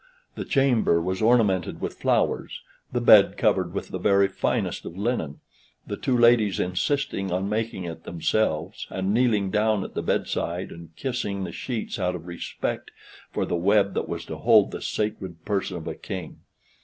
The chamber was ornamented with flowers; the bed covered with the very finest of linen; the two ladies insisting on making it themselves, and kneeling down at the bedside and kissing the sheets out of respect for the web that was to hold the sacred person of a King.